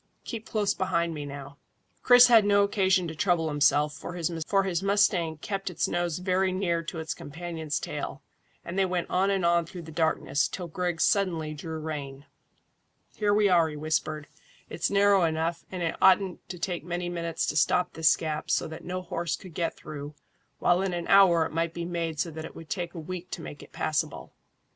Keep close behind me now." Chris had no occasion to trouble himself, for his mustang kept its nose very near to its companion's tail, and they went on and on through the darkness, till Griggs suddenly drew rein. "Here we are," he whispered. "It's narrow enough, and it oughtn't to take many minutes to stop this gap so that no horse could get through, while in an hour it might be made so that it would take a week to make it passable.